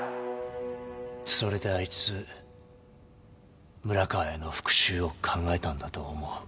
それであいつ村川への復讐を考えたんだと思う。